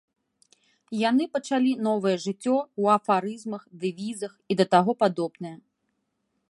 Яны пачалі новае жыццё ў афарызмах, дэвізах і да таго падобнае.